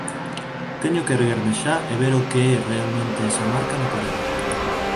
Teño que erguerme xa e ver o que é realmente esa marca na parede.